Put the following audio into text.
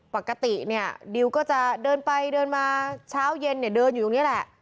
ปกติเนี่ยดิวก็จะเดินไปเดินมาเช้าเย็นเนี่ยเดินอยู่ตรงนี้แหละ